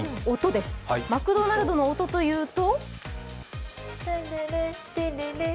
マクドナルドの音というと？